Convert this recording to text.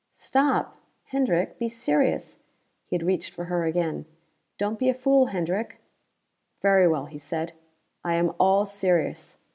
"Stop! Hendrick, be serious!" He had reached for her again. "Don't be a fool, Hendrick." "Very well," he said. "I am all serious.